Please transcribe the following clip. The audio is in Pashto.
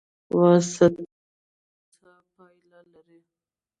واسطه کول څه پایله لري؟